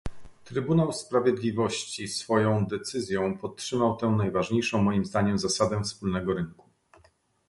Trybunał Sprawiedliwości swoją decyzją podtrzymał tę najważniejszą moim zdaniem zasadę wspólnego rynku